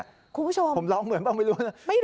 ไม่รู้เหมือนกัน